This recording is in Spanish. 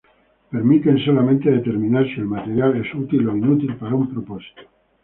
Permiten solamente determinar si el material es útil o inútil para un propósito.